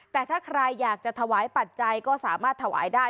แต่ถ้าใครอยากจะถวายปัจจัยก็สามารถถวายได้